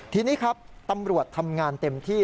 ทีนี้ครับตำรวจทำงานเต็มที่